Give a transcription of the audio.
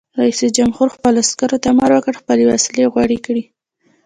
رئیس جمهور خپلو عسکرو ته امر وکړ؛ خپلې وسلې غوړې کړئ!